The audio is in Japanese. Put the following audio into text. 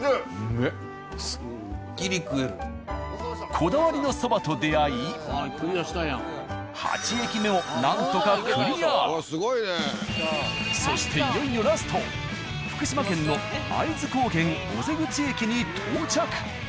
こだわりのそばと出会い何とかそしていよいよラスト福島県の会津高原尾瀬口駅に到着。